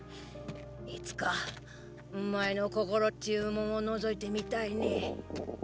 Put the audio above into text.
いつかお前の心ちゅうもんをのぞいてみたいね。